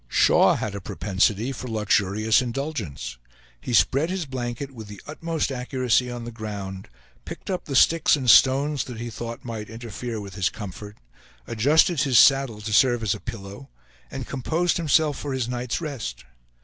Shaw had a propensity for luxurious indulgence. He spread his blanket with the utmost accuracy on the ground, picked up the sticks and stones that he thought might interfere with his comfort, adjusted his saddle to serve as a pillow, and composed himself for his night's rest.